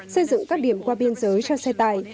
xây dựng các điểm qua biên giới cho xe tải